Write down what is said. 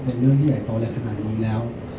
เป็นเรื่องที่ใหญ่โตอะไรขนาดนี้แล้ว